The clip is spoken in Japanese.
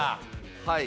はい。